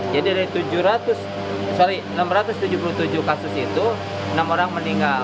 jadi dari enam ratus tujuh puluh tujuh kasus itu enam orang meninggal